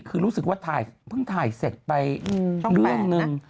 คือรู้สึกว่าถ่ายเพิ่งถ่ายเสร็จไปเรื่องหนึ่ง